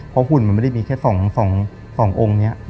เพราะหุ่นมันไม่ได้มีแค่๒องค์นี้